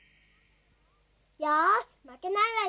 よしまけないわよ。